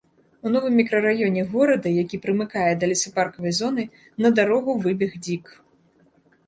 У новым мікрараёне горада, які прымыкае да лесапаркавай зоны, на дарогу выбег дзік.